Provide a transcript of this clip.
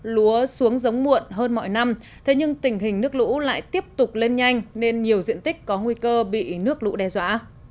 lúa xuống giống muộn hơn mọi năm thế nhưng tình hình nước lũ lại tiếp tục lên nhanh nên nhiều diện tích có nguy cơ bị nước lũ đe dọa